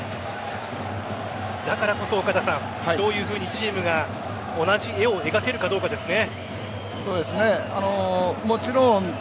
だからこそどういうふうにチームが同じ絵を描けるかどうかですね。